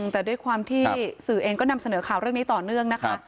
แต่ด้วยความที่สื่อเองก็นำเสนอข่าวเรื่องนี้ต่อเนื่องนะคะ